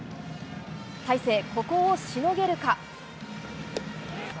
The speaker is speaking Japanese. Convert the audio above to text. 大勢、ここをしのげるか。